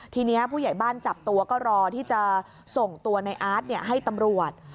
ทีนี้ผู้ใหญ่บ้านจับตัวก็รอที่จะส่งตัวในอาร์ตให้ตำรวจ